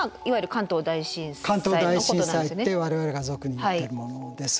関東大震災って我々が俗に言ってるものです。